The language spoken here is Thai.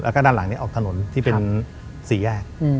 แล้วก็ด้านหลังนี้ออกถนนที่เป็นสี่แยก